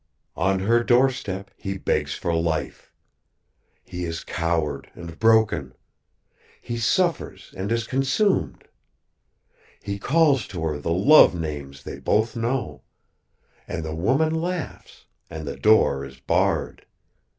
"On her doorstep, he begs for life. He is coward and broken. He suffers and is consumed. He calls to her the love names they both know. And the woman laughs, and the door is barred.